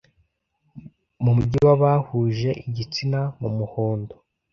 mu mujyi w'abahuje igitsina n'umuhondo